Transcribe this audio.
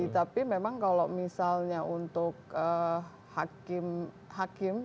tapi memang kalau misalnya untuk hakim